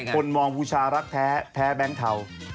คนมองผู้ชารักแท้แบ้งเทา